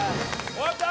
終わった！